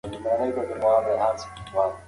سعید له خپل پلار څخه د کلا په اړه پوښتنه وکړه.